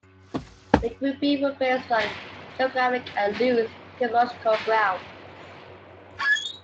The grouping was based on geographic and loose typological grounds.